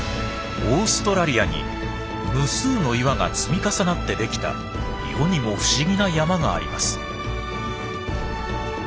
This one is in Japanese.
オーストラリアに無数の岩が積み重なってできた世にも不思議な山があります。